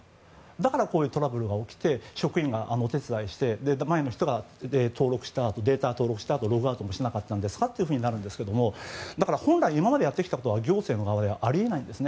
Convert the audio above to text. だからこういうトラブルが起きて職員がお手伝いして前の人がデータを登録したあとにログアウトしてなかったんですかということになるんですがつまり今までやってきたことは行政の側ではあり得ないんです。